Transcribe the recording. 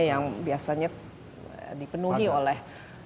yang biasanya dipenuhi oleh